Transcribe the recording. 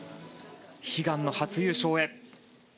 悲願の初優勝へ。